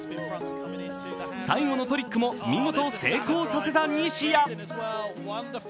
最後のトリックも見事、成功させた西矢。